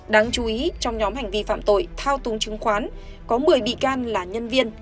đáng chú ý trong nhóm hành vi phạm tội thao túng chứng khoán có một mươi bị can là nhân viên